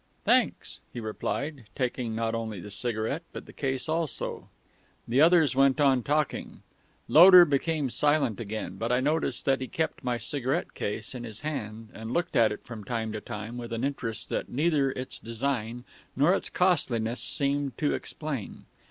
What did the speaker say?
"Thanks," he replied, taking not only the cigarette, but the case also. The others went on talking; Loder became silent again; but I noticed that he kept my cigarette case in his hand, and looked at it from time to time with an interest that neither its design nor its costliness seemed to explain.